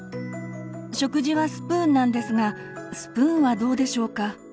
食事はスプーンなんですがスプーンはどうでしょうか？